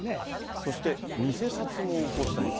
そして偽札も横行してます。